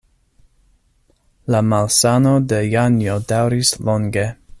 La malsano de Janjo daŭris longe.